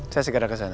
saya segera ke sana